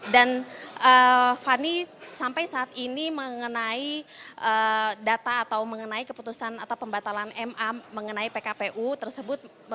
dan fani sampai saat ini mengenai data atau mengenai keputusan atau pembatalan ma mengenai pkpu tersebut